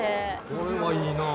これはいいなぁ。